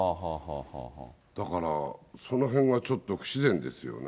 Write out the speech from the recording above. だから、そのへんはちょっと不自然ですよね。